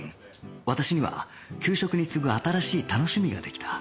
私には給食に次ぐ新しい楽しみができた